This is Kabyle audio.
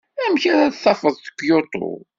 Amek ara d-tafeḍ Kyoto?